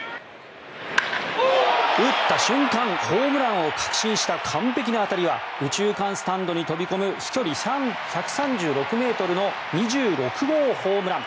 打った瞬間ホームランを確信した完璧な当たりは右中間スタンドに飛び込む飛距離１３６ｍの２６号ホームラン。